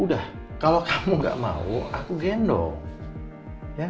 udah kalau kamu gak mau aku gendong